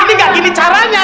ini gak gini caranya